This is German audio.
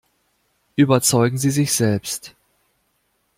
Überzeugen Sie sich selbst!